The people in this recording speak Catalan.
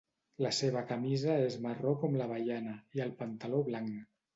La seva camisa és marró com l'avellana i el pantaló blanc.